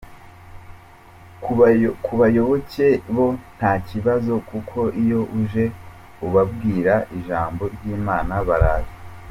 Ku bayoboke bo nta kibazo, kuko iyo uje ubabwira ijambo ry’Imana baraza.